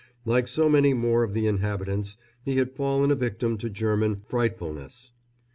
Like so many more of the inhabitants, he had fallen a victim to German "frightfulness."